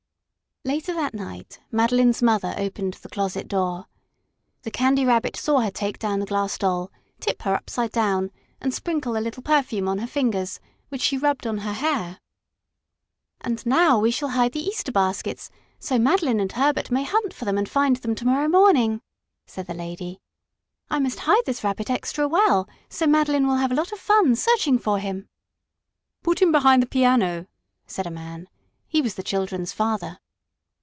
Later that night Madeline's mother opened the closet door. The Candy Rabbit saw her take down the Glass Doll, tip her upside down and sprinkle a little perfume on her fingers, which she rubbed on her hair. "And now we shall hide the Easter baskets, so Madeline and Herbert may hunt for them and find them to morrow morning," said the lady. "I must hide this Rabbit extra well, so Madeline will have a lot of fun searching for him." "Put him behind the piano," said a man. He was the children's father.